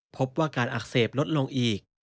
พบว่าการอักเสบลดลงอีก